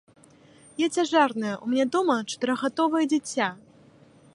Я цяжарная, у мяне дома чатырохгадовае дзіця.